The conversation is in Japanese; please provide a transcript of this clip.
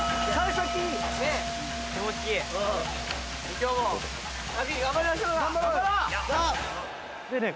今日も旅頑張りましょうか！